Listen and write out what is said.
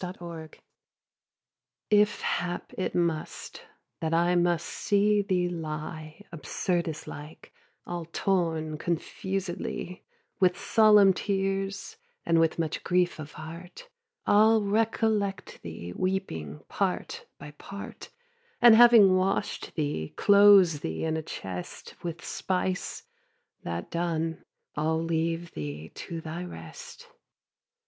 TO HIS BOOK If hap it must, that I must see thee lie Absyrtus like, all torn confusedly; With solemn tears, and with much grief of heart, I'll recollect thee, weeping, part by part; And having wash'd thee, close thee in a chest With spice; that done, I'll leave thee to thy rest.